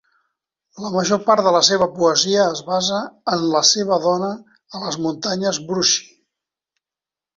La major part de la seva poesia es basa en la seva dona a les Muntanyes Brushy.